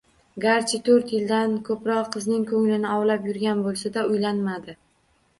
Garchi toʻrt yildan koʻproq qizning koʻnglini ovlab yurgan boʻlsa-da, uylanmadi.